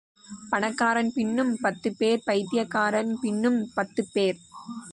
பணக்காரன் பின்னும் பத்துப்பேர், பைத்தியக்காரன் பின்னும் பத்துப்பேர்.